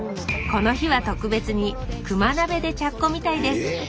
この日は特別に「熊鍋」で茶っこみたいです。